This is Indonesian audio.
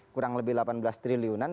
kurang lebih delapan belas triliunan